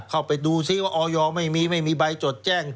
เข้าไปดูซิว่าออยไม่มีไม่มีใบจดแจ้ง